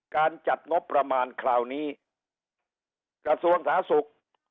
การจัดงบประมาณคราวนี้กระทรวงสาธารณสุข